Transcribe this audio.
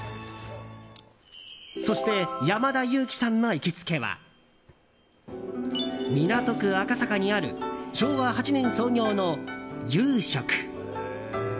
そして山田裕貴さんの行きつけは港区赤坂にある昭和８年創業の有職。